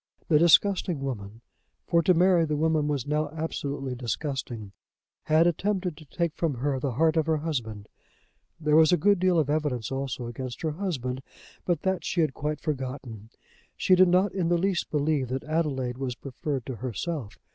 The disgusting woman, for to Mary the woman was now absolutely disgusting, had attempted to take from her the heart of her husband! There was a good deal of evidence also against her husband, but that she had quite forgotten. She did not in the least believe that Adelaide was preferred to herself.